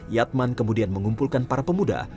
yatman kemudian mengumpulkan para pemuda